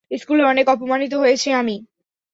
স্কুলে অনেক অপমানিত হয়েছি আমি!